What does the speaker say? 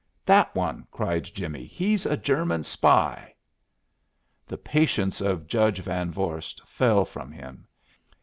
"That one!" cried Jimmie. "He's a German spy!" The patience of Judge Van Vorst fell from him.